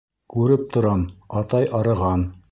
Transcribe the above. Күреп торам: атай арыған.